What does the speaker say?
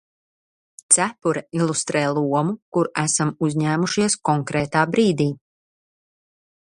Cepure ilustrē lomu, kuru esam uzņēmušies konkrētā brīdī.